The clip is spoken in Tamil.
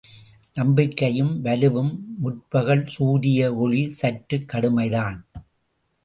நம்பிக்கையும் வலுவும் முற்பகல் சூரிய ஒளி சற்றுக் கடுமை தான்.